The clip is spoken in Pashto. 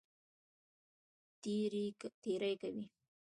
تېری کوي.